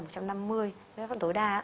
với con số huyết áp tối đa